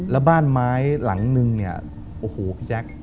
แล้วบ้านไม้หลังนึงเนี่ยโอ้โหพี่แจ๊ค